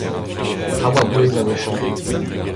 Traoù a bouez a-wechoù.